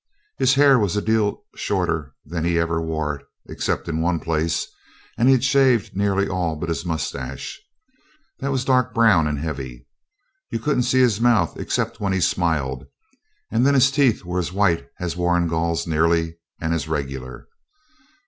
His hair was a deal shorter than he ever wore it (except in one place), and he'd shaved nearly all but his moustache. That was dark brown and heavy. You couldn't see his mouth except when he smiled, and then his teeth were as white as Warrigal's nearly and as regular.